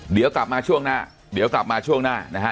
เดี๋ยวกลับมาช่วงหน้าเดี๋ยวกลับมาช่วงหน้านะฮะ